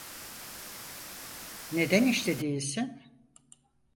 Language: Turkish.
Neden işte değilsin?